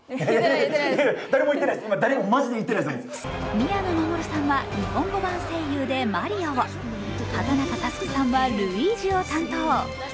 宮野真守さんは日本語版声優でマリオを、畠中祐さんはルイージを担当。